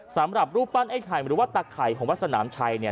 สำหรับรูปปั้นไอ้ไข่หรือว่าตะไข่ของวัดสนามชัยเนี่ย